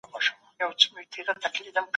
هغه لګښتونه چي بې ځايه دي، بند يې کړئ.